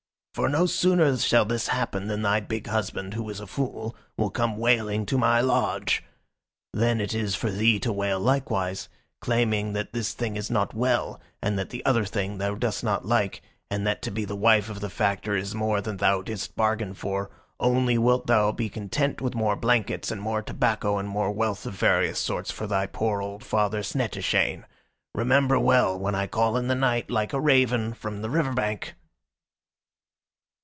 "For no sooner shall this happen than thy big husband, who is a fool, will come wailing to my lodge. Then it is for thee to wail likewise, claiming that this thing is not well, and that the other thing thou dost not like, and that to be the wife of the Factor is more than thou didst bargain for, only wilt thou be content with more blankets, and more tobacco, and more wealth of various sorts for thy poor old father, Snettishane. Remember well, when I call in the night, like a raven, from the river bank."